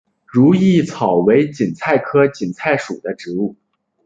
如意草为堇菜科堇菜属的植物。